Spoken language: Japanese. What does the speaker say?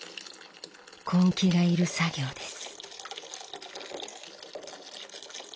根気がいる作業です。